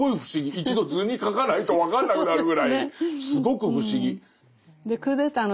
一度図に描かないと分かんなくなるぐらいすごく不思議。